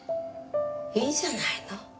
いいじゃないの。